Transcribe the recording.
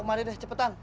mari deh cepetan